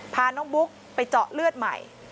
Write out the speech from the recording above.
พาน้องบุ๊กไปเจาะเลือดใหม่